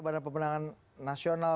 pada pemenangan nasional